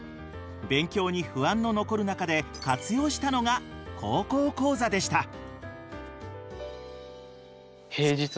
勉強に不安の残る中で活用したのが「高校講座」でした。